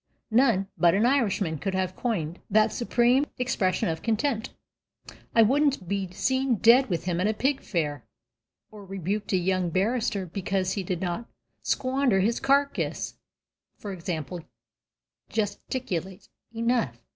None but an Irishman could have coined that supreme expression of contempt: "I wouldn't be seen dead with him at a pig fair," or rebuked a young barrister because he did not "squandher his carcass" (i.e., gesticulate) enough.